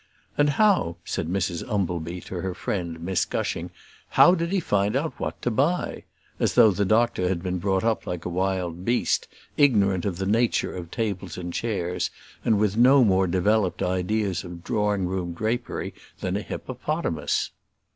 "And how," said Mrs Umbleby, to her friend Miss Gushing, "how did he find out what to buy?" as though the doctor had been brought up like a wild beast, ignorant of the nature of tables and chairs, and with no more developed ideas of drawing room drapery than an hippopotamus.